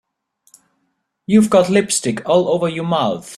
You've got lipstick all over your mouth.